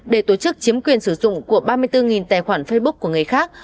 để tổ chức chiếm quyền sử dụng của ba mươi bốn tài khoản facebook của người khác